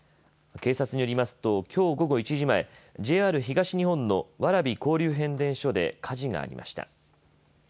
警察によりますときょう午後１時前、ＪＲ東日本の蕨交流変電所で火事がありました。